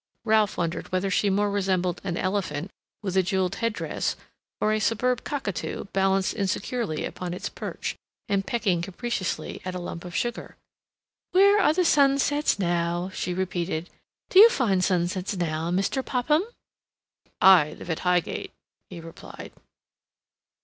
Ralph wondered whether she more resembled an elephant, with a jeweled head dress, or a superb cockatoo, balanced insecurely upon its perch, and pecking capriciously at a lump of sugar. "Where are the sunsets now?" she repeated. "Do you find sunsets now, Mr. Popham?" "I live at Highgate," he replied.